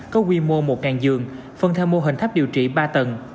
có quy mô một giường phân theo mô hình tháp điều trị ba tầng